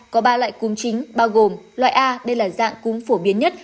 có ba loại cúm chính bao gồm loại a đây là dạng cúm phổ biến nhất